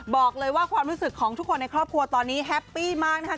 บอกเลยว่าความรู้สึกของทุกคนในครอบครัวตอนนี้แฮปปี้มากนะคะ